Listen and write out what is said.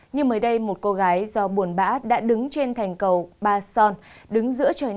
nhưng mới đây một cô gái do buồn bã đã đứng trên thành cầu ba son đứng giữa trời nắng